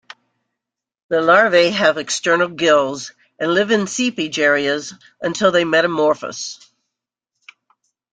The larvae have external gills, and live in seepage areas until they metamorphose.